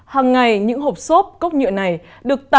hằng ngày những hộp xốp cốc nhựa này không thể được sử dụng